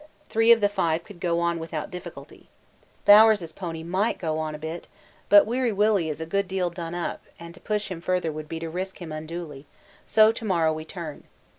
Three of the five could go on without difficulty. Bowers' pony might go on a bit, but Weary Willy is a good deal done up, and to push him further would be to risk him unduly, so to morrow we turn.